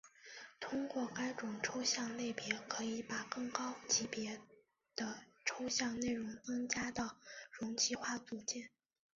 通过该种抽象类别可以把更高级别的抽象内容增加到容器化组件。